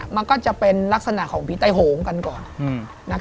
มันก็จะเป็นลักษณะของผีใต้โหงกันก่อน